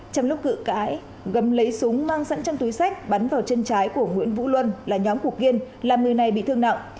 trong lúc cự cãi gấm lấy súng mang sẵn trong túi sách bắn vào chân trái của nguyễn vũ luân là nhóm của kiên làm người này bị thương nặng